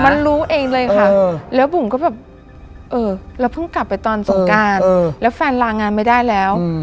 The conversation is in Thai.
มันรู้เองเลยค่ะแล้วบุ๋มก็แบบเออเราเพิ่งกลับไปตอนสงการแล้วแฟนลางานไม่ได้แล้ว